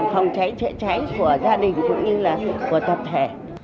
phòng cháy chữa cháy của gia đình cũng như là của tập thể